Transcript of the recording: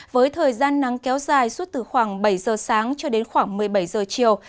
với thời gian nắng kéo dài suốt từ khoảng bảy giờ sáng cho đến khoảng một mươi bảy giờ chiều